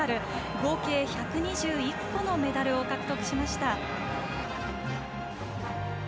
合計１２１個のメダルを獲得しました。